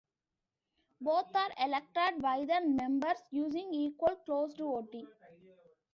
Both are elected by the members, using equal, closed voting.